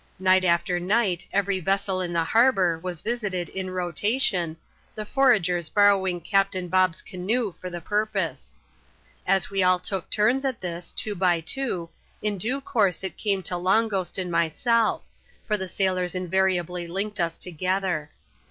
Night after night every vessel in the harbour was visited in rotation, the foragers borrowing Captain Bob's canoe for the purpose. As we dl took turns at this, two hy two, in due course it came to Long Ghost and myself, for the sailors invariably linked us together.